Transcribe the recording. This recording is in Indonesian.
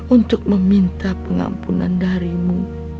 untuk meminta pengampunan darimu